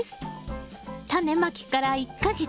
タネまきから１か月。